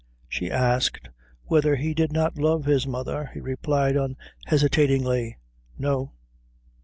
She asked whether he did not love his mother. He replied unhesitatingly, "No."